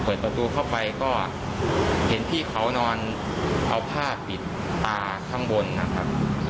เปิดประตูเข้าไปก็เห็นพี่เขานอนเอาผ้าปิดตาข้างบนนะครับ